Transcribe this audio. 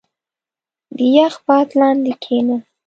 • د یخ باد لاندې کښېنه.